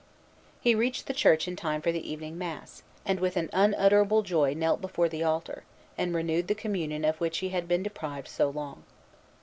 He reached the church in time for the evening mass, and with an unutterable joy knelt before the altar, and renewed the communion of which he had been deprived so long.